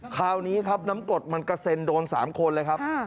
คราวนี้ครับน้ำกรดมันกระเซ็นโดน๓คนเลยครับ